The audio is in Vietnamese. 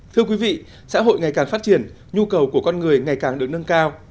thưa quý vị xã hội ngày càng phát triển nhu cầu của con người ngày càng được nâng cao